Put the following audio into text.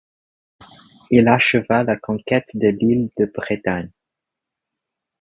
Il acheva la conquête de l'île de Bretagne.